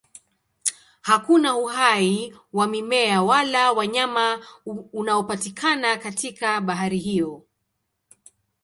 Hakuna uhai wa mimea wala wanyama unaopatikana katika bahari hiyo.